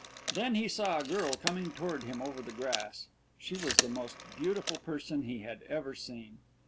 Then he saw a girl coming toward him over the grass. She was the most beautiful person he had ever seen.